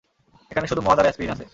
এখানে শুধু মদ আর অ্যাসপিরিন আছে।